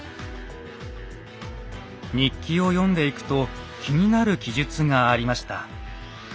日記を読んでいくと気になる記述がありました。